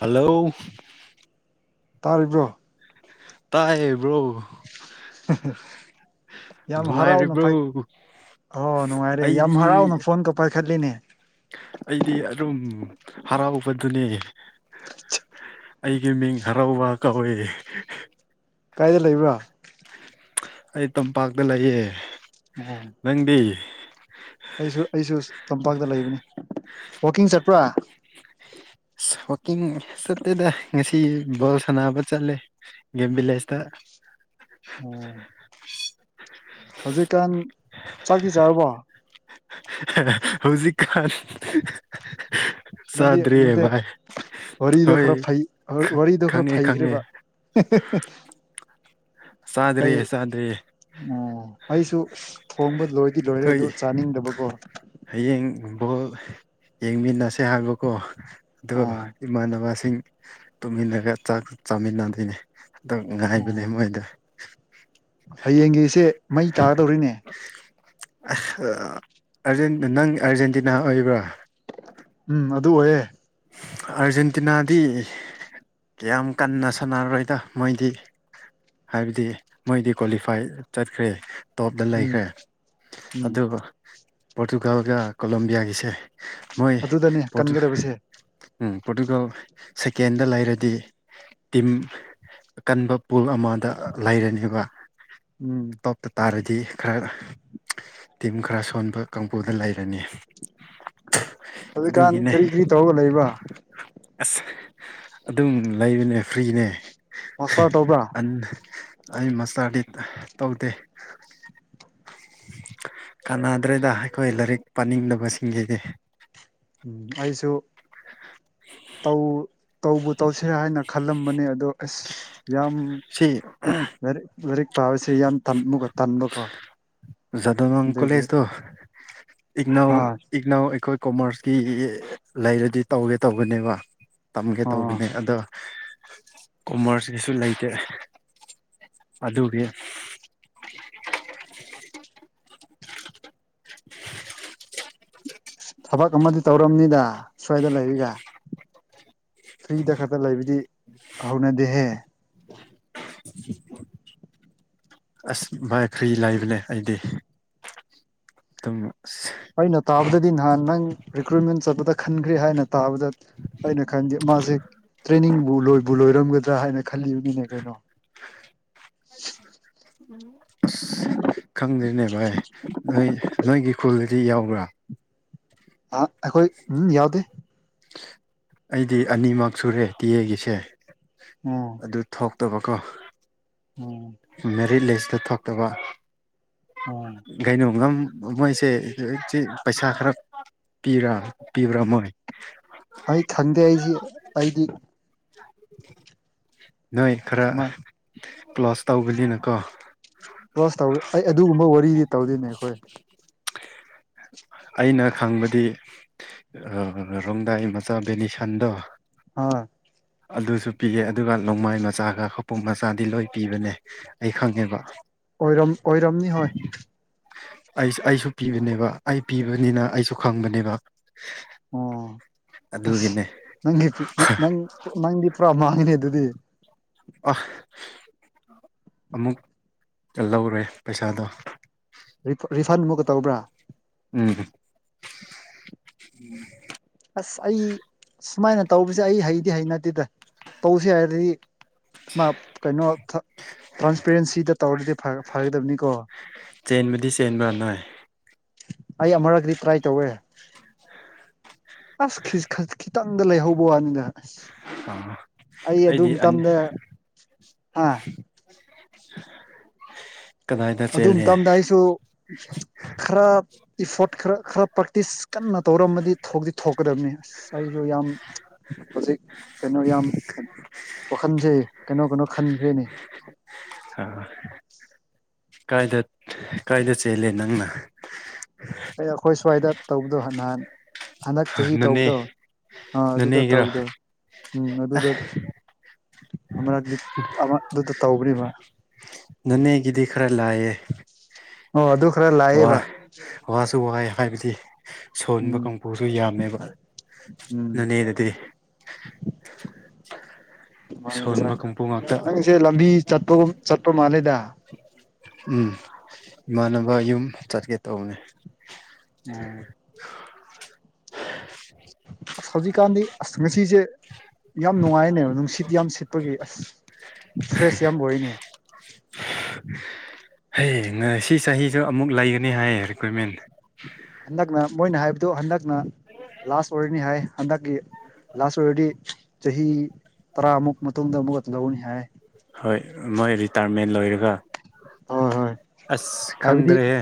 Hello ꯇꯥꯔꯤꯕ꯭ꯔꯣ ꯇꯥꯏꯕ꯭ꯔꯣ ꯌꯥꯝ ꯍꯔꯥꯎꯅ ꯅꯨꯡꯉꯥꯏꯔꯤꯕ꯭ꯔꯣ ꯄꯥꯏ ꯑꯣ ꯅꯨꯡꯉꯥꯏꯔꯦ ꯌꯥꯝ ꯑꯩꯗꯤ ꯍꯔꯥꯎꯅ ꯐꯣꯟꯒ ꯄꯥꯏꯈꯠꯂꯤꯅꯦ꯫ ꯑꯩꯗꯤ ꯑꯗꯨꯝ ꯍꯔꯥꯎꯕꯗꯨꯅꯦ꯫ ꯑꯩꯒꯤ ꯃꯤꯡ ꯍꯔꯥꯎꯕ ꯀꯧꯏ꯫ ꯀꯥꯏꯗ ꯂꯩꯕ꯭ꯔꯥ? ꯑꯩ ꯇꯝꯄꯥꯛꯇ ꯂꯩꯌꯦ꯫ ꯎꯝ ꯅꯪꯗꯤ ꯑꯩꯁꯨ ꯑꯩꯁꯨ ꯇꯝꯄꯥꯛꯇ ꯂꯩꯕꯅꯤ ꯋꯥꯛꯀꯤꯡ ꯆꯠꯄ꯭ꯔꯥ ꯑꯁ ꯋꯥꯥꯛꯀꯤꯡ ꯆꯠꯇꯦꯗ ꯉꯁꯤ ꯕꯣꯜ ꯁꯥꯟꯅꯕ ꯆꯠꯂꯦ ꯒꯦꯝ ꯕꯤꯂꯦꯁ ꯇ ꯑꯣ ꯍꯧꯖꯤꯛꯀꯥꯟ ꯆꯥꯛꯇꯤ ꯆꯥꯔꯕꯣ ꯍꯧꯖꯤꯛ ꯀꯥꯟ ꯅꯗꯤ ꯅꯠꯇꯦ ꯋꯥꯔꯤꯗꯣ ꯍꯣꯏ ꯈꯔ ꯐꯩ ꯋꯥꯔꯤꯗꯣ ꯈꯔ ꯈꯪꯉꯦ ꯐꯩ ꯈꯪꯉꯦ ꯈ꯭ꯔꯦꯕ [unintelligible] ꯆꯥꯗ꯭ꯔꯤ ꯆꯥꯗ꯭ꯔꯤ ꯑꯣ ꯑꯩꯁꯨ ꯊꯣꯡꯕ ꯂꯣꯏꯗꯤ ꯂꯣꯏꯔꯦ ꯑꯗꯨ ꯆꯥꯅꯤꯡꯗꯕꯀꯣ ꯍꯌꯦꯡꯕꯣꯜ ꯌꯦꯡꯃꯤꯟꯅꯁꯦ ꯍꯥꯏꯕꯀꯣ ꯑꯗꯨꯒ ꯑꯣ ꯏꯃꯥꯟꯅꯕꯁꯤꯡ ꯇꯨꯝꯃꯤꯟꯅꯒ ꯆꯥꯛ ꯆꯥꯃꯤꯟꯅꯕꯤ ꯗꯣ ꯑꯣ ꯉꯥꯏꯕꯅꯦ ꯃꯣꯏꯗ ꯍꯌꯦꯡꯒꯤꯁꯦ ꯃꯩ ꯇꯥꯒꯗꯧꯔꯤꯅꯦ ꯑꯁ ꯑ ꯑꯥꯔꯖꯦꯟ ꯅꯪ ꯑꯥꯔꯖꯦꯟꯇꯤꯅꯥ ꯑꯣꯏꯕ꯭ꯔꯣ ꯎꯝ ꯑꯗꯨ ꯑꯣꯏꯌꯦ ꯑꯥꯔꯖꯦꯟꯇꯤꯅꯥꯗꯤ ꯀꯌꯥꯝ ꯀꯟꯅ ꯁꯥꯟꯅꯔꯔꯣꯏꯗ ꯃꯣꯏꯗꯤ ꯍꯥꯏꯕꯗꯤ ꯃꯣꯏꯗꯤ ꯀ꯭ꯋꯥꯂꯤꯐꯥꯏ ꯆꯠꯈ꯭ꯔꯦ ꯇꯣꯞꯇ ꯎꯝ ꯂꯩꯈ꯭ꯔꯦ ꯎꯝ ꯑꯗꯨꯒ ꯄꯣꯔꯇꯨꯒꯥꯜꯒ ꯀꯣꯂꯣꯕꯤꯌꯥꯒꯤꯁꯦ ꯃꯣꯏ ꯑꯗꯨꯗꯅꯦ ꯄꯣꯇꯨ ꯀꯟꯒꯗꯕꯁꯦ ꯎꯝ ꯄꯣꯔꯇꯨꯒꯜ ꯁꯦꯀꯦꯟꯗ ꯂꯩꯔꯗꯤ ꯇꯤꯝ ꯀꯟꯕ ꯄꯨꯜ ꯑꯃꯗ ꯂꯩꯔꯅꯦꯕ ꯎꯝ ꯇꯣꯞꯇ ꯇꯥꯔꯗꯤ ꯈꯔ ꯇꯤꯝ ꯈꯔ ꯁꯣꯟꯕ ꯀꯥꯡꯕꯨꯗ ꯂꯩꯔꯅꯤ ꯍꯧꯖꯤꯛꯀꯥꯟ ꯑꯗꯨꯒꯤꯅꯦ ꯀꯔꯤ ꯀꯔꯤ ꯇꯧꯔꯒ ꯂꯩꯕ ꯑꯁ ꯑꯗꯨꯝ ꯂꯩꯕꯅꯦ ꯐ꯭ꯔꯤꯅꯦ ꯃꯥꯁꯇꯔ ꯇꯧꯕ꯭ꯔꯥ ꯑꯟ ꯑꯩ ꯃꯥꯁꯇꯔꯗꯤ ꯇꯧꯗꯦ ꯀꯥꯟꯅꯗ꯭ꯔꯦꯗ ꯑꯩꯈꯣꯏ ꯂꯥꯏꯔꯤꯛ ꯄꯥꯅꯤꯡꯗꯕꯁꯤꯡꯒꯤꯗꯤ ꯑꯩꯁꯨ ꯇꯧ ꯇꯧꯕꯨ ꯇꯧꯁꯤꯔꯦ ꯍꯥꯏꯅ ꯈꯜꯂꯝꯕꯅꯦ ꯑꯗꯣ ꯑꯁ ꯌꯥꯝ ꯁꯤ ꯂꯥꯏꯔꯤꯛ ꯂꯥꯏꯔꯤꯛ ꯄꯥꯕꯁꯤ ꯌꯥꯝ ꯇꯝꯃꯨꯒ ꯇꯟꯕꯀꯣ ꯖꯥꯗꯨ ꯅꯪ ꯑꯗꯨꯒꯤ ꯀꯣꯂꯦꯖꯗꯣ ꯏꯛꯅꯧ ꯑꯥ ꯏꯛꯅꯎ ꯑꯩꯈꯣꯏ ꯀꯣꯃꯔꯁꯀꯤ ꯂꯩꯔꯗꯤ ꯇꯧꯒꯦ ꯇꯧꯕꯅꯦꯕ ꯇꯝꯒꯦ ꯑꯥ ꯇꯧꯕꯅꯦ ꯑꯗꯣ ꯀꯣꯃꯔꯁꯀꯤꯁꯨ ꯂꯩꯇꯦ ꯑꯗꯨꯒꯤ ꯊꯕꯛ ꯑꯃꯗꯤ ꯇꯧꯔꯝꯅꯤꯗ ꯁ꯭ꯋꯥꯏꯗ ꯂꯩꯔꯤꯒ ꯐ꯭ꯔꯤꯗ ꯈꯛꯇ ꯂꯩꯕꯗꯤ ꯍꯧꯅꯗꯦꯍꯦ [unintelligible] ꯑꯁ ꯚꯥꯏ ꯐ꯭ꯔꯤ ꯂꯥꯏꯕꯅꯦ ꯑꯩꯗꯤ ꯑꯗꯨꯝ ꯑꯁ ꯑꯩꯅ ꯇꯥꯕꯗꯗꯤ ꯅꯍꯥꯟ ꯅꯪ ꯔꯤꯀ꯭ꯔꯨꯏꯠꯃꯦꯟ ꯆꯠꯄꯗ ꯈꯟꯈ꯭ꯔꯦ ꯍꯥꯏꯅ ꯇꯥꯕꯗ ꯑꯩꯅ ꯈꯟꯗꯦ ꯃꯥꯁꯦ ꯇ꯭ꯔꯦꯅꯤꯡꯕꯨ ꯂꯣꯏꯕꯨ ꯂꯣꯏꯔꯝꯒꯗ꯭ꯔꯥ ꯍꯥꯏꯅ ꯈꯜꯂꯤꯕꯒꯤꯅꯦ ꯀꯩꯅꯣ ꯑꯁ ꯈꯪꯗ꯭ꯔꯅ‌ꯦ ꯚꯥꯏ ꯅꯣꯏ ꯅꯣꯏꯒꯤ ꯈꯨꯜꯗꯤ ꯌꯥꯎꯕ꯭ꯔꯥ ꯑ ꯑꯩꯈꯣꯏ ꯎꯝ ꯌꯥꯎꯗꯦ ꯑꯩꯗꯤ ꯑꯅꯤꯃꯛ ꯁꯨꯔꯦ ꯇꯤ ꯑꯦꯒꯤꯁꯦ ꯑꯣ ꯑꯗꯨ ꯊꯣꯛꯇꯕꯀꯣ ꯑꯣ ꯃꯦꯔꯤꯠ ꯂꯤꯁꯇꯨ ꯊꯣꯛꯇꯕ ꯎꯝ ꯀꯩꯅꯣꯒ ꯃꯣꯏꯁꯦ ꯍꯧ ꯄꯩꯁꯥ ꯈꯔ ꯄꯤꯕ꯭ꯔꯥ ꯄꯤꯕ꯭ꯔꯥ ꯃꯣꯏ ꯑꯩ ꯈꯪꯗꯦ ꯑꯩꯗꯤ ꯑꯩꯗꯤ ꯅꯣꯏ ꯈꯔ ꯑꯗꯨꯃꯥꯏ ꯀ꯭ꯂꯣꯁ ꯇꯧꯕꯅꯤꯅꯀꯣ ꯀ꯭ꯔ‌ꯣꯁ ꯇꯧ ꯑꯩ ꯑꯗꯨꯒꯨꯝꯕ ꯋꯥꯔꯤꯗꯤ ꯇꯧꯗ‌ꯦꯅꯦ ꯑꯩꯈꯣꯏ ꯑꯩꯅ ꯈꯪꯕꯗꯤ ꯑ ꯔꯣꯡꯗꯥꯏ ꯃꯆꯥ ꯕ‌ꯦꯅꯤꯁꯟꯗꯣ ꯍꯣꯏ ꯑꯗꯨꯁꯨ ꯄꯤꯌꯦ ꯑꯗꯨꯒ ꯅꯣꯡꯃꯥꯏ ꯃꯆꯥꯒ ꯈꯄꯣꯡ ꯃꯆꯥꯗꯤ ꯂꯣꯏ ꯄꯤꯕꯅꯦ ꯑꯩ ꯈꯪꯉꯦꯕ ꯑꯣꯏꯔꯝ ꯑꯣꯏꯔꯝꯅꯤ ꯍꯣꯏ ꯑꯩ ꯑꯩꯁꯨ ꯄꯤꯕꯅꯦꯕ ꯑꯩ ꯄꯤꯕꯅꯤꯅ ꯑꯩꯁꯨ ꯈꯪꯕꯅꯦꯕ ꯑꯣ ꯑꯁ ꯑꯗꯨꯒꯤꯅꯦ ꯅꯪꯒꯤ ꯅꯪ ꯅꯪ ꯅꯪꯗꯤ ꯄꯨꯔꯥ ꯃꯥꯡꯉꯤꯅꯦ ꯑꯗꯨꯗꯤ ꯑ ꯑꯃꯨꯛ ꯂꯧꯔꯦ ꯄꯩꯁꯥꯗꯣ ꯔꯤ ꯔꯤꯐꯟ ꯑꯃꯨꯛꯀ ꯇꯧꯕ꯭ꯔꯥ ꯎꯝ [inaudible] ꯑꯁ ꯑꯩ ꯁꯨꯃꯥꯏꯅ ꯇꯧꯕꯁꯦ ꯑꯩ ꯍꯩꯗꯤ ꯍꯩꯅꯗꯦꯗ ꯇꯧꯁꯤ ꯍꯥꯏꯔꯗꯤ ꯃꯥ ꯀꯩꯅꯣ ꯇ꯭ꯔꯥꯟꯁꯄꯦꯔꯦꯟꯁꯤꯗ ꯇꯧꯔꯗꯤ ꯐꯒꯗꯕꯅꯤꯀꯣ ꯆꯦꯟꯕꯗꯤ ꯆꯦꯟꯕꯔ ꯅ‌ꯣꯏ ꯑꯩ ꯑꯃꯨꯔꯛꯇꯤ ꯇ꯭ꯔꯥꯏ ꯇꯧꯋꯦ ꯑꯁ ꯈꯤꯇꯪꯗ ꯂꯩꯍꯧꯕ ꯋꯥꯅꯤꯗ ꯑꯥ ꯑꯩ ꯑꯩꯗꯤ ꯑꯗꯨꯝ ꯇꯝꯗ ꯍꯥ ꯀꯗꯥꯏꯗ ꯑꯗꯨ ꯆꯦꯜꯂꯦ ꯃꯇꯝꯗ ꯑꯩꯁꯨ ꯈꯔ ꯏꯐꯣꯔꯠ ꯈꯔ ꯈꯔ ꯄ꯭ꯔꯦꯛꯇꯤꯁ ꯀꯟꯅ ꯇꯧꯔꯝꯃꯗꯤ ꯊꯣꯛ ꯊꯣꯛꯀꯗꯕꯅꯤ ꯑꯁ ꯑꯁ ꯑꯩꯥꯁꯨ ꯌꯥꯝ ꯍꯧꯖꯤꯛ ꯀꯩꯅꯣ ꯌꯥꯝ ꯋꯥꯈꯟꯁꯦ ꯀꯩꯅꯣ ꯀꯩꯅꯣ ꯈꯟꯈ꯭ꯔꯦꯅꯦ ꯑ ꯀꯥꯏꯗ ꯀꯥꯏꯗ ꯆꯦꯜꯂꯦ ꯅꯪꯅ ꯑꯩ ꯑꯩꯈꯣꯏ ꯁ꯭ꯋꯥꯏꯗ ꯇꯧꯕꯗꯣ ꯅꯍꯥꯟ ꯍꯟꯗꯛ ꯆꯍꯤ ꯅꯅꯦ ꯇꯧꯕꯗꯣ ꯑꯥ ꯑꯗꯨꯗ ꯅꯅꯦꯒꯤꯔꯣ ꯇꯧꯕꯗ‌ꯣ ꯎꯝ ꯑꯗꯨꯗ ꯑꯃꯔꯛꯗꯤ ꯑꯃ ꯑꯗꯨꯗ ꯇꯧꯕꯔꯤꯔꯤꯕ ꯅ‌ꯣꯅꯦꯒꯤꯗꯤ ꯈꯔ ꯂꯥꯏꯌ‌ꯦ ꯑꯣ ꯑꯗꯨ ꯈꯔ ꯂꯥꯏꯌ‌ꯦꯕ ꯋꯥꯁꯨ ꯋꯥꯏ ꯍꯥꯏꯕꯗꯤ ꯁꯣꯟꯕ ꯎꯝ ꯀꯥꯡꯄꯨꯔꯁꯨ ꯌꯥꯝꯃꯦꯕ ꯎꯝ ꯅ‌ꯣꯅꯦꯗꯗꯤ ꯁꯣꯟꯕ ꯀꯥꯡꯕꯨ ꯉꯥꯛꯇ ꯅꯪꯁꯦ ꯂꯝꯕꯤ ꯆꯠꯄꯒꯨꯝ ꯆꯠꯄ ꯃꯥꯜꯂꯦꯗ ꯎꯝ ꯏꯃꯥꯟꯅꯕ ꯌꯨꯝ ꯆꯠꯀꯦ ꯇꯧꯕꯅꯦ ꯎꯝ ꯑꯁ ꯍꯧꯖꯤꯛꯀꯥꯟꯗꯤ ꯑꯁ ꯉꯁꯤꯁꯦ ꯌꯥꯝ ꯅꯨꯡꯉꯥꯏꯌ‌ꯦꯅ‌ꯦ ꯅꯨꯡꯁꯤꯠ ꯌꯥꯝ ꯁꯤꯠ ꯑꯩꯈꯣꯏꯒꯤ ꯑꯁ ꯐ꯭ꯔꯦꯁ ꯌꯥꯝ ꯑꯣꯏꯅꯦ ꯍꯩ ꯉꯁꯤ ꯆꯍꯤꯁꯨ ꯑꯃꯨꯛ ꯂꯩꯒꯅꯤ ꯍꯥꯏꯌꯦ ꯔꯤꯀ꯭ꯋꯔꯃꯦꯟ ꯍꯟꯗꯛꯅ ꯃꯣꯏꯅ ꯍꯥꯏꯕꯗꯨ ꯍꯟꯗꯛꯅ ꯂꯥꯁ ꯑꯣꯏꯔꯅꯤ ꯍꯥꯏ ꯍꯟꯗꯛꯀꯤ ꯂꯥꯁ ꯑꯣꯏꯔꯗꯤ ꯆꯍꯤ ꯇꯔꯥꯃꯨꯛ ꯃꯇꯨꯡꯗ ꯑꯃꯨꯛꯀ ꯂꯧꯒꯅꯤ ꯍꯥꯏ ꯍꯣꯏ ꯃꯣꯏ ꯔꯤꯇꯥꯌꯔꯃꯦꯟ ꯂꯣꯏꯔꯒ ꯑꯁ ꯍꯥꯏꯕꯗꯤ ꯈꯪꯗ꯭ꯔꯦꯍꯦ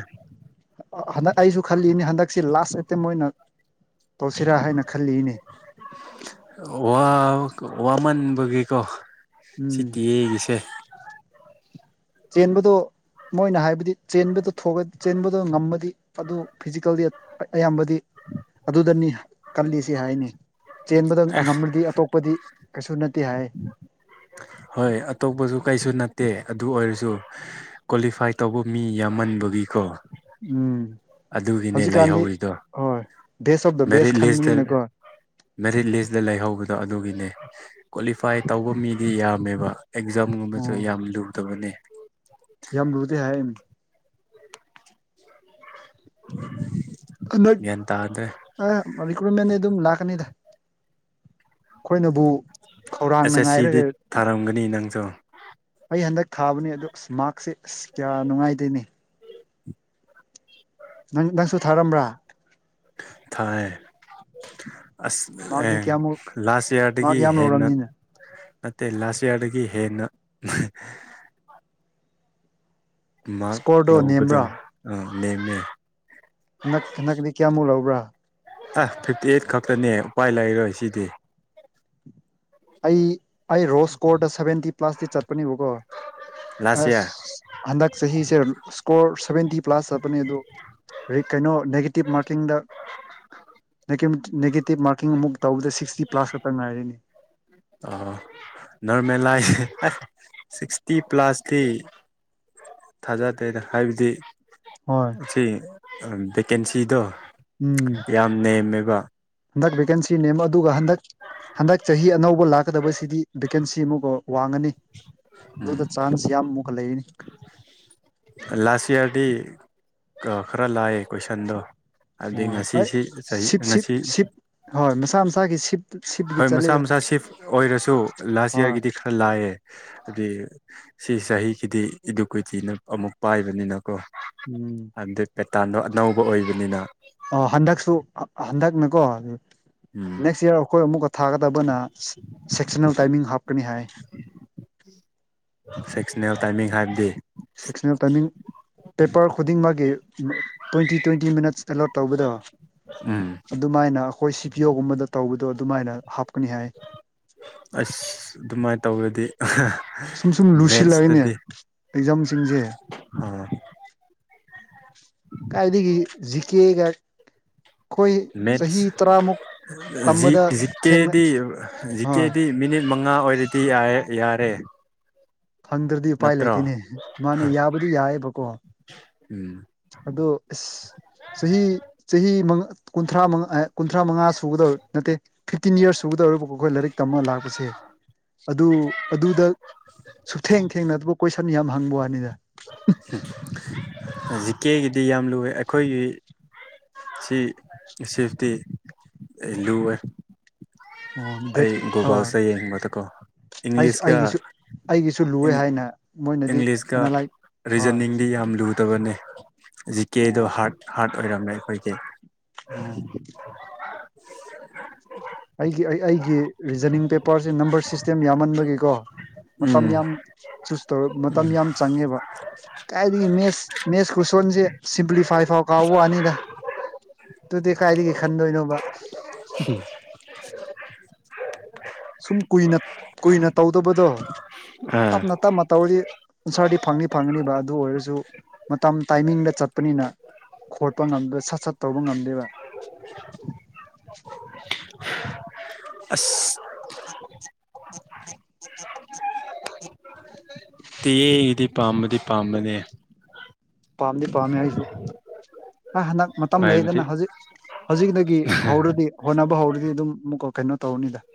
ꯍꯟꯗꯛ ꯑꯩꯁꯨ ꯈꯜꯂꯤꯅꯤ ꯍꯟꯗꯛꯁꯤ ꯂꯥꯁ ꯑꯦꯇꯦꯝꯞ ꯑꯣꯏꯅ ꯇꯧꯁꯤꯔꯥ ꯍꯥꯏꯅ ꯈꯜꯂꯤꯅꯤ ꯋꯥ ꯋꯥꯃꯟꯕꯒꯤꯀꯣ ꯎꯝ ꯁꯤꯇꯤꯑꯦꯒꯤꯁꯦ [unintelligible] ꯆꯦꯟꯕꯗꯣ ꯃꯣꯏꯅ ꯍꯥꯏꯕꯗꯤ ꯆꯦꯟꯕꯗ ꯊꫭꯒ [unintelligible] ꯆꯦꯟꯕꯗ ꯉꯝꯃꯗꯤ ꯑꯗꯨ ꯐꯤꯖꯤꯀꯦꯜꯗꯤ ꯑꯌꯥꯝꯕꯗꯤ ꯑꯗꯨꯗꯅꯤ ꯀꯜꯂꯤꯁꯤ ꯍꯥꯏꯅꯤ ꯆꯦꯟꯕꯗ ꯑꯦ ꯉꯝꯃꯗꯤ ꯑꯇꯣꯞꯄꯗꯤ ꯀꯩꯁꯨ ꯅꯠꯇꯦ ꯍꯥꯏ ꯍꯣꯏ ꯑꯇꯣꯞꯄꯁꯨ ꯀꯩꯁꯨ ꯅꯠꯇꯦ ꯑꯗꯨ ꯑꯣꯏꯔꯁꯨ ꯀ꯭ꯋꯥꯂꯤꯐꯥꯏ ꯇꯧꯕ ꯃꯤ ꯌꯥꯝꯃꯟꯕꯒꯤꯀꯣ ꯎꯝ ꯑꯗꯨꯒꯤꯅꯦ ꯍꯧꯖꯤꯛꯀꯥꯟꯗꯤ ꯂꯩꯥꯏꯍꯧꯔꯤꯗꯣ ꯍꯣꯏ best of the best merit list ꯈꯟꯕꯅꯤꯅꯀꯣ ꯃꯦꯔꯤꯠ ꯂꯤꯁꯇ ꯂꯩꯍꯧꯕꯗꯣ ꯑꯗꯨꯒꯤꯅꯦ ꯀ꯭ꯋꯥꯂꯤꯐꯥꯏ ꯇꯧꯕ ꯃꯤꯗꯤ ꯌꯥꯝꯃꯦꯕ ꯑꯦꯛꯖꯥꯝꯒꯨꯝꯕꯁꯨ ꯎꯝ ꯌꯥꯝ ꯂꯨꯗꯕꯅꯦ ꯌꯥꯝ ꯂꯨꯗꯦ ꯍꯥꯏꯅꯦ ꯌꯥꯟ ꯇꯥꯗꯦ ꯑ ꯔꯤꯀ꯭ꯔꯨꯏꯠꯃꯦꯟꯗꯤ ꯑꯗꯨꯝ ꯂꯥꯛꯀꯅꯤꯗ ꯑꯩꯈꯣꯏꯅꯕꯨ ꯈꯧꯔꯥꯡꯅ ꯉꯥꯏꯔꯒ ꯉꯝꯒꯅꯤ ꯅꯪꯁꯨ ꯑꯩ ꯍꯟꯗꯛ ꯊꯥꯕꯅꯤ ꯑꯗꯨ ꯑꯁ ꯃꯥꯛꯁꯦ ꯑꯁ ꯀꯌꯥ ꯅꯨꯡꯉꯥꯏꯇꯦꯅꯦ [inaudible] ꯅꯪ ꯅꯪꯁꯨ ꯊꯥꯔꯝꯕ꯭ꯔꯥ ꯊꯥꯏ ꯑꯁ ꯃꯥꯔꯛꯇꯤ ꯑꯦ ꯀꯌꯥꯃꯨꯛ ꯂꯥꯁ ꯃꯥꯔꯛ ꯌꯔꯗꯒꯤ ꯌꯥꯝ ꯍꯦꯟꯅ ꯂꯧꯔꯝꯅꯤꯅ ꯅꯠꯇꯦ ꯂꯥꯁ ꯌꯔꯗꯒꯤ ꯍꯦꯟꯅ ꯃꯥꯛ ꯏꯁꯀꯣꯔꯗꯣ ꯂꯧꯕꯗꯣ ꯅꯦꯝꯕ꯭ꯔꯥ ꯑ ꯅꯦꯝꯃꯦ ꯍꯟꯗꯛ ꯍꯟꯗꯛꯗꯤ ꯀꯌꯥꯃꯨꯛ ꯂꯧꯕ꯭ꯔꯥ ꯑ ꯐꯤꯞꯇꯤ ꯑꯩꯠ ꯈꯛꯇꯅꯦ ꯎꯄꯥꯏ ꯂꯩꯔꯣꯏ ꯁꯤꯗꯤ ꯑꯩ ꯑꯩ ꯔꯣ ꯁ꯭ꯀꯣꯔꯗ ꯁꯚꯦꯟꯇꯤ ꯄ꯭ꯂꯁꯇꯤ ꯆꯠꯄꯅꯦꯕꯀꯣ ꯂꯥꯁ ꯑꯁ ꯏꯌꯥꯔ ꯍꯟꯗꯛ ꯆꯍꯤꯁꯦ ꯁ꯭ꯀꯣꯔ ꯁꯚꯦꯟꯇꯤ ꯄ꯭ꯂꯁ ꯆꯠꯄꯅꯤ ꯑꯗꯨ ꯔꯤ [unintelligible] ꯀꯩꯅꯣ ꯅꯦꯒꯦꯇꯤꯞ ꯃꯥꯔꯀꯤꯡꯗ ꯅꯦꯒꯦꯝ [unintelligible] ꯅꯦꯒꯦꯇꯤꯞ ꯃꯥꯔꯀꯤꯡ ꯑꯃꯨꯛ ꯇꯧꯕꯗ ꯁꯤꯛꯁꯇꯤ ꯄ꯭ꯂꯁ ꯈꯛꯇ ꯉꯥꯏꯔꯤꯅꯤ ꯑ ꯅꯣꯔꯃꯦꯂꯥꯏ [unintelligible] ꯑꯥꯢ ꯁꯤꯛꯁꯇꯤ ꯄ꯭ꯂꯁꯇꯤ ꯊꯥꯖꯗꯦꯗ ꯍꯥꯏꯕꯗꯤ ꯍꯣꯏ ꯁꯤ ꯚꯦꯀꯦꯟꯁꯤꯗꯣ ꯎꯝ ꯌꯥꯝ ꯅꯦꯝꯃꯦꯕ ꯍꯟꯗꯛ ꯚꯦꯀꯦꯟꯁꯤ ꯅꯦꯝꯃ [unintelligible] ꯑꯗꯨꯒ ꯍꯟꯗꯛ ꯍꯟꯗꯛ ꯆꯍꯤ ꯑꯅꯧꯕ ꯂꯥꯛꯀꯗꯕꯁꯤꯗꯤ ꯚꯦꯀꯦꯟꯁꯤ ꯑꯃꯨꯛꯀ ꯋꯥꯡꯉꯅꯤ ꯎꯝ ꯗꯨꯗ ꯆꯥꯟꯁ ꯌꯥꯝꯃꯨꯛꯀ ꯂꯩꯅꯤ ꯂꯥꯁ ꯌꯔꯗꯤ ꯈꯔ ꯂꯥꯏ ꯀꯣꯏꯁꯟꯗꯣ ꯍꯥꯏꯕꯗꯤ ꯑꯣ ꯑꯩ ꯉꯁꯤꯁꯤ ꯆꯍꯤ ꯁꯤꯞ ꯁꯤꯞ ꯉꯁꯤ ꯁꯤꯞ ꯍꯣꯏ ꯃꯁꯥ ꯃꯁꯥꯒꯤ ꯁꯤꯞ ꯁꯤꯞꯀꯤ ꯍꯣꯏ ꯃꯁꯥ ꯆꯠꯂꯤꯗ ꯃꯁꯥ ꯁꯤꯐ ꯑꯣꯏꯔꯁꯨ ꯂꯥꯁ ꯍꯣꯏ ꯏꯌꯥꯔꯒꯤꯗꯤ ꯈꯔ ꯂꯥꯏꯌꯦ ꯍꯥꯏꯗꯤ ꯁꯤ ꯆꯍꯤꯒꯤꯗꯤ ꯏꯗꯨ ꯀꯨꯏꯇꯤꯅ ꯑꯃꯨꯛ ꯄꯥꯏꯕꯅꯤꯅꯀꯣ ꯎꯝ ꯑꯗꯨꯠ ꯄꯦꯇꯥꯟꯗꯣ ꯑꯅꯧꯕ ꯑꯣꯏꯕꯅꯤꯅ ꯑ ꯍꯟꯗꯛꯁꯨ ꯍꯟꯗꯛꯅꯀꯣ ꯎꯝ ꯅꯦꯛꯁ ꯏꯌꯥꯔ ꯑꯈꯣꯏ ꯑꯃꯨꯛꯀ ꯊꯥꯒꯗꯕꯅ ꯁꯦꯛꯁꯟꯅꯜ ꯇꯥꯏꯃꯤꯡ ꯍꯥꯞꯀꯅꯤ ꯍꯥꯏ ꯁꯦꯛꯁꯅꯦꯜ ꯇꯥꯏꯃꯤꯡ ꯍꯥꯏꯕꯗꯤ ꯁꯦꯛꯁꯅꯦꯜ ꯇꯥꯏꯃꯤꯡ ꯄꯦꯄꯔ ꯈꯨꯗꯤꯡꯃꯛꯀꯤ ꯇꯣꯏꯟꯇꯤ ꯇꯣꯏꯟꯇꯤ ꯃꯤꯅꯠꯁ ꯑꯦꯂꯣꯠ ꯇꯧꯕꯗ ꯎꯝ ꯑꯗꯨꯃꯥꯏꯅ ꯑꯈꯣꯏ ꯁꯤ ꯄꯤ ꯌꯣꯒꯨꯝꯕꯗ ꯇꯧꯕꯗꯣ ꯑꯗꯨꯃꯥꯏꯅ ꯍꯥꯞꯀꯅꯤ ꯍꯥꯏ ꯑꯁ ꯗꯨꯃꯥꯏ ꯇꯧꯔꯗꯤ ꯁꯨꯝ ꯁꯨꯝ ꯂꯨꯁꯤꯜꯂꯛꯏꯅꯦ ꯅꯦꯛꯁꯇꯗꯤ ꯑꯦꯛꯖꯥꯝꯁꯤꯡꯁꯦ ꯑ ꯀꯥꯏꯗꯒꯤ ꯖꯤꯀꯦꯒ ꯈꯣꯏ ꯆꯍꯤ ꯃꯦꯠꯁ ꯇꯔꯥꯃꯨꯛ ꯖꯤ ꯇꯝꯕꯗ ꯊꯦꯡꯅ ꯖꯤꯀꯦꯗꯤ ꯍꯣꯏ ꯖꯤꯀꯦꯗꯤ ꯃꯤꯅꯤꯠ ꯃꯉꯥ ꯑꯣꯏꯔꯗꯤ ꯌꯥꯌꯦ ꯌꯥꯔꯦ ꯐꯪꯗ꯭ꯔꯗꯤ ꯎꯄꯥꯏ ꯅꯠꯇ꯭ꯔꯣ ꯂꯩꯇꯦꯅꯦ ꯃꯥꯅꯦ ꯌꯥꯕꯨꯗꯤ ꯌꯥꯏꯑꯕꯀꯣ ꯎꯝ ꯑꯗꯨ ꯑꯁ ꯆꯍꯤ ꯆꯍꯤꯥ ꯃꯉꯥ ꯀꯨꯟꯊ꯭ꯔꯥꯃꯉꯥ ꯑꯦ ꯀꯨꯟꯊ꯭ꯔꯥꯃꯉꯥ ꯁꯨꯒꯗꯧꯔꯦ ꯅꯠꯇꯦ ꯐꯤꯞꯇꯤꯟ ꯌꯔꯁ ꯁꯨꯒꯗꯧꯔꯦꯕꯀꯣ ꯈꯣꯏ ꯂꯥꯏꯔꯤꯛ ꯇꯝꯃꯒ ꯂꯥꯛꯄꯁꯦ ꯑꯗꯨ ꯑꯗꯨꯗ ꯁꯨꯊꯦꯡ ꯊꯦꯡꯅꯗꯕ ꯀꯣꯏꯁꯟ ꯌꯥꯝ ꯍꯪꯕ ꯋꯥꯅꯤꯗ [unintelligible] ꯖꯤꯀꯦꯒꯤꯗꯤ ꯌꯥꯝ ꯂꯨꯋꯦ ꯑꯩꯈꯣꯏꯒꯤ ꯁꯤ ꯁꯦꯐꯇꯤ ꯂꯨꯋꯦ ꯑꯣ ꯑꯩ ꯗꯦꯠꯀꯤ ꯑ ꯒꯨꯒꯜꯁꯗ ꯌꯦꯡꯕꯗꯀꯣ ꯑꯩ ꯏꯪꯂꯤꯁꯀ ꯑꯩꯒꯤꯁꯨ ꯑꯩꯒꯤꯁꯨ ꯂꯨꯑꯦ ꯏꯪꯂꯤ ꯍꯥꯏꯅ ꯃꯣꯏꯅꯗꯤ ꯏꯪꯂꯤꯁꯀ ꯑꯅꯥꯂꯥꯏ ꯍꯣꯏ ꯔꯤꯖꯟꯅꯤꯡꯗꯤ ꯌꯥꯝ ꯂꯨꯗꯕꯅꯦ ꯖꯤꯀꯦꯗꯣ ꯍꯥꯔꯠ ꯍꯥꯔꯠ ꯑꯣꯏꯔꯝꯃꯦ ꯑꯩꯈꯣꯏꯒꯤ ꯑꯣ ꯑꯩꯒꯤ ꯑꯩ ꯑꯩꯒꯤ ꯔꯤꯖꯟꯅꯤꯡ ꯄꯦꯄꯔꯁꯦ ꯅꯝꯕꯔ ꯁꯤꯁꯇꯦꯝ ꯌꯥꯝꯃꯟꯕꯒꯤꯀꯣ ꯃꯇꯝ ꯎꯝ ꯌꯥꯝ ꯆꯨꯁ ꯇꯧꯔ ꯃꯇꯝ ꯌꯥꯝ ꯆꯪꯉꯦꯕ ꯀꯥꯏꯗꯒꯤ ꯃꯦꯁ ꯃꯦꯁ ꯈꯨꯁꯣꯟꯖꯦ ꯁꯤꯝꯄ꯭ꯂꯤꯐꯥꯏ ꯐꯥꯎ ꯀꯥꯎꯕ ꯋꯥꯅꯤꯗ ꯇꯨꯗꯤ ꯀꯥꯏꯗꯒꯤ ꯈꯟꯗꯣꯏꯅꯣꯕ [unintelligible] ꯁꯨꯝ ꯀꯨꯏꯅ ꯀꯨꯏꯅ ꯇꯧꯗꯕꯗꯣ ꯑꯥ ꯇꯞꯅ ꯇꯞꯅ ꯇꯧꯔꯗꯤ ꯑꯟꯁꯥꯔꯗꯤ ꯐꯪꯅꯤ ꯐꯪꯉꯅꯤꯕ ꯑꯗꯨ ꯑꯣꯏꯔꯁꯨ ꯃꯇꯝ ꯇꯥꯏꯃꯤꯡꯗ ꯆꯠꯄꯅꯤꯅ ꯈꯣꯠꯄ ꯉꯝꯗꯦ ꯁꯠ ꯁꯠ ꯇꯧꯕ ꯉꯝꯗꯦꯕ [unintelligible] ꯑꯁ ꯇꯤꯌꯦ ꯑꯩꯗꯤ ꯄꯥꯝꯕꯗꯤ ꯄꯥꯝꯕꯅꯦ ꯄꯥꯝꯗꯤ ꯄꯥꯝꯃꯦ ꯑꯩꯖꯨ ꯑ ꯍꯟꯅꯛ ꯃꯇꯝ ꯍꯥꯏꯕꯗꯤ ꯂꯩꯌꯦꯗꯅ ꯍꯧꯖꯤꯛ ꯍꯧꯖꯤꯛꯗꯒꯤ ꯍꯧꯔꯗꯤ ꯍꯣꯠꯅꯕ ꯍꯧꯔꯗꯤ ꯗꯨꯝ ꯃꯨꯛꯀ ꯀꯩꯅꯣ ꯇꯧꯔꯅꯤꯗ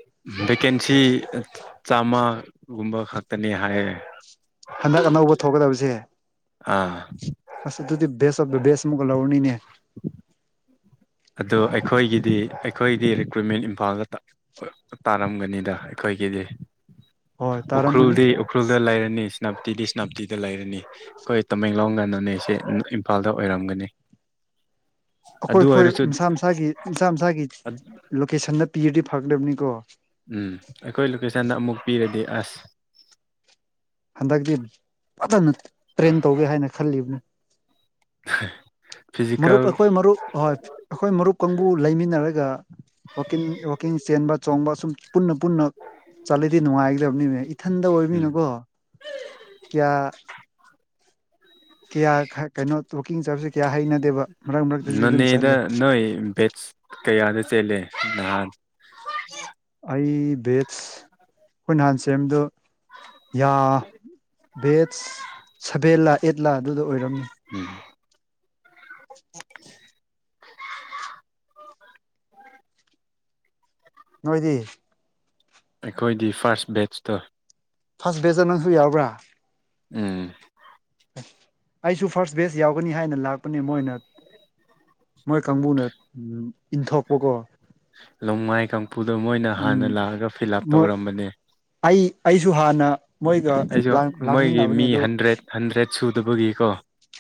ꯚꯦꯀꯦꯟꯁꯤ ꯆꯥꯝꯃꯒꯨꯝꯕ ꯈꯛꯇꯅꯤ ꯍꯥꯏꯌꯦ ꯍꯟꯗꯛ ꯑꯅꯧꯕ ꯊꯣꯛꯒꯗꯕꯁꯦ ꯑꯥ ꯑꯁ ꯑꯗꯨꯗꯤ ꯕꯦꯁ ꯑꯣꯕ ꯗ ꯕꯦꯁ ꯃꯨꯒ ꯂꯧꯔꯅꯤꯅꯦ ꯑꯗ ꯑꯩꯈꯣꯏꯒꯤꯗꯤ ꯑꯩꯈꯣꯏꯗꯤ ꯔꯤꯀ꯭ꯔꯨꯏꯠꯃꯦꯟ ꯏꯝꯐꯥꯜꯗ ꯇꯥ ꯑꯩ ꯇꯥꯔꯝꯒꯅꯤꯗ ꯑꯩꯈꯣꯏꯒꯤꯗꯤ ꯍꯣꯏ ꯇꯥꯔꯝꯒꯅꯤ ꯎꯈ꯭ꯔꯨꯜꯗꯤ ꯎꯈ꯭ꯔꯨꯜꯗ ꯂꯩꯔꯅꯤ ꯁꯅꯥꯞꯇꯤꯗꯤ ꯁꯅꯥꯞꯇꯤꯗ ꯂꯩꯔꯅꯤ ꯑꯩꯈꯣꯏ ꯇꯃꯦꯡꯂꯣꯡꯅ ꯅꯣꯅꯦꯁꯦ ꯏꯝꯐꯥꯜꯗ ꯑꯣꯏꯔꯝꯒꯅꯤ ꯑꯩꯈꯣꯏ ꯑꯗꯨ ꯑꯩꯈꯣꯏ ꯑꯣꯏꯔꯁꯨ ꯃꯁꯥ ꯃꯁꯥꯒꯤ ꯃꯁꯥ ꯃꯁꯥꯒꯤ ꯂꯣꯀꯦꯁꯟꯗ ꯄꯤꯔꯗꯤ ꯐꯒꯗꯕꯅꯤꯀꯣ ꯎꯝ ꯑꯩꯈꯣꯏ ꯂꯣꯀꯦꯁꯟꯗ ꯑꯃꯨꯛ ꯄꯤꯔꯗꯤ ꯑꯁ ꯍꯟꯗꯛꯇꯤ ꯐꯖꯅ ꯇ꯭ꯔꯦꯟ ꯇꯧꯒꯦ ꯍꯥꯏꯅ ꯈꯜꯂꯤꯕꯅꯤ ꯃꯔꯨꯞ ꯐꯤꯖꯤꯀꯦꯜ ꯑꯩꯈꯣꯏ ꯃꯔꯨꯞ ꯍꯣꯏ ꯑꯩꯈꯣꯏ ꯃꯔꯨꯞ ꯀꯥꯡꯕꯨ ꯂꯩꯃꯤꯟꯅꯔꯒ ꯋꯀꯤꯡ ꯋꯀꯤꯡ ꯆꯦꯟꯕ ꯆꯣꯡꯕ ꯁꯨꯝ ꯄꯨꯟꯅ ꯄꯨꯟꯅ ꯆꯠꯂꯗꯤ ꯅꯨꯡꯉꯥꯏꯒꯗꯕꯅꯤꯅꯦ ꯏꯊꯟꯗ ꯎꯝ ꯑꯣꯏꯕꯃꯤꯅꯀꯣ ꯀꯌꯥ ꯀꯌꯥ ꯀꯩꯅꯣ ꯇꯣꯀꯤꯡ ꯆꯥꯔꯖꯤꯛ ꯅꯅꯦꯗ ꯅꯣꯏ ꯚꯦꯁ ꯀꯌꯥꯗ ꯆꯦꯜꯂꯦ ꯅꯍꯥꯟ ꯑꯩ ꯕꯦꯠꯁ ꯑꯩꯈꯣꯏ ꯅꯍꯥꯟ ꯁꯦꯝꯕꯗ ꯌꯥ ꯕꯦꯖ ꯁꯚꯦꯜꯂꯥ ꯑꯦꯠꯂꯥ ꯑꯗꯨꯗ ꯑꯣꯏꯔꯝꯅꯤ ꯎꯝ ꯅꯣꯏꯗꯤ ꯑꯩꯈꯣꯏꯗꯤ ꯐꯥꯔꯁ ꯕꯦꯠꯁꯇꯣ ꯐꯥꯁ ꯕꯦꯠꯁꯇ ꯅꯪꯁꯨ ꯌꯥꯎꯕ꯭ꯔꯥ ꯎꯝ ꯑꯩꯁꯨ ꯐꯥꯔꯁ ꯕꯦꯁ ꯌꯥꯎꯒꯅꯤ ꯍꯥꯏꯅ ꯂꯥꯛꯄꯅꯦ ꯃꯣꯏꯅ ꯃꯣꯏ ꯀꯥꯡꯕꯨꯅ ꯎ ꯏꯟꯊꯣꯛꯄꯀꯣ ꯅꯣꯡꯃꯥꯏ ꯀꯥꯡꯄꯨꯗꯣ ꯃꯣꯏꯅ ꯍꯥꯟꯅ ꯎꯝ ꯂꯥꯛꯑꯒ ꯐꯤꯜ ꯑꯞ ꯃꯣꯏ ꯇꯧꯔꯝꯕꯅꯦ ꯑꯩ ꯑꯩꯁꯨ ꯍꯥꯟꯅ ꯃꯣꯏꯒ ꯑꯩꯁꯨ ꯂꯥꯡ ꯃꯣꯏꯒꯤ ꯃꯤ ꯂꯥꯛꯃꯤꯟꯅꯕꯅꯤ ꯑꯗꯨ ꯍꯟꯗ꯭ꯔꯦꯠ ꯍꯟꯗ꯭ꯔꯦꯠ ꯁꯨꯗꯕꯒꯤꯀꯣ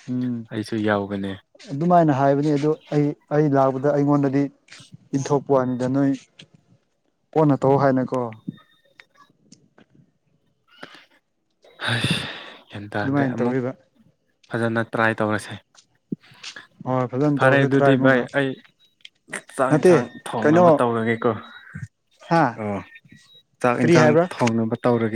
ꯎꯝ ꯑꯩꯁꯨ ꯌꯥꯎꯕꯅꯦ ꯑꯗꯨꯃꯥꯏꯅ ꯍꯥꯏꯕꯅꯤ ꯑꯗꯨ ꯑꯩ ꯑꯩ ꯂꯥꯛꯄꯗ ꯑꯩꯉꯣꯟꯗ ꯗꯤ ꯏꯟꯊꯣꯛꯄ ꯋꯥꯅꯤꯗ ꯅꯣꯏ ꯀꯣꯅ ꯇꯧ ꯍꯥꯏꯅꯀꯣ ꯍꯥꯏꯁ ꯒ꯭ꯌꯥꯟ ꯇꯥꯗꯦ ꯑꯗꯨꯃꯥꯏꯅ ꯑꯃꯨꯛ ꯇꯧꯔꯤꯕ ꯐꯖꯅ ꯇ꯭ꯔꯥꯏ ꯇꯧꯔꯁꯦ ꯍꯣꯏ ꯐꯖꯅ ꯇꯧꯔꯁꯦ ꯐꯔꯦꯗꯨꯗꯤ ꯚꯥꯏ ꯇ꯭ꯔꯥꯏꯃꯨꯛꯒ ꯑꯩ ꯆꯥꯛ ꯅꯠꯇꯦ ꯌꯦꯟꯁꯥꯡ ꯀꯩꯅꯣ ꯊꯣꯡꯅꯕ ꯇꯧꯔꯒꯦꯀꯣ ꯍꯥ ꯑꯣ ꯆꯥꯛ ꯀꯔꯤ ꯏꯟꯁꯥꯡ ꯍꯥꯏꯕ꯭ꯔꯥ ꯊꯣꯡꯅꯕ ꯇꯧꯔꯒꯦ